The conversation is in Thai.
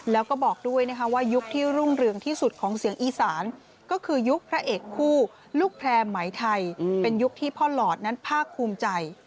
แล้วก็บอกด้วยนะคะว่ายุคที่รุ่งเรืองที่สุดของเสียงอีสานก็คือยุคพระเอกคู่ลูกแพร่ไหมไทยเป็นยุคที่พ่อหลอดนั้นภาคภูมิใจ